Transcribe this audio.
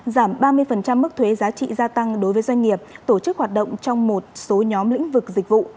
giảm ba mươi mức thuế giá trị gia tăng đối với doanh nghiệp tổ chức hoạt động trong một số nhóm lĩnh vực dịch vụ